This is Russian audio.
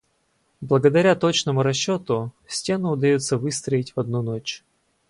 Благодаря точному расчёту, стену удаётся выстроить в одну ночь.